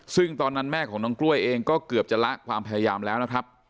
ซึ่งตอนนั้นแม่ของน้องกล้วยเองก็เกือบจะละความพยายามแล้วนะครับ